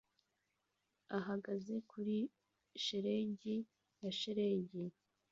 ahagaze kuri shelegi ya shelegi